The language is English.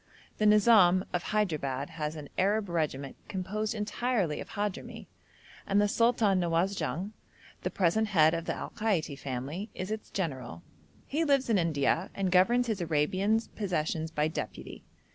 The Nizam of Hyderabad has an Arab regiment composed entirely of Hadhrami, and the Sultan Nawasjung, the present head of the Al Kaiti family, is its general: he lives in India and governs his Arabian possessions by deputy.